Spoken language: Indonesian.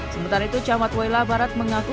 sementara itu camat waila barat mengaku